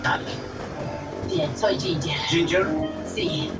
Sobre todo en empresas del sector servicios es algo que se da con frecuencia.